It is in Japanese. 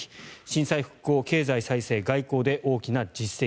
震災復興、経済再生、外交で大きな実績